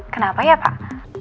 kenapa ya pak